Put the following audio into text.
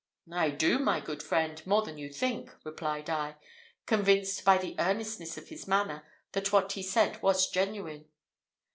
"I do, my good friend, more than you think," replied I, convinced by the earnestness of his manner that what he said was genuine.